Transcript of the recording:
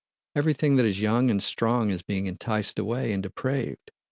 Everything that is young and strong is being enticed away and depraved.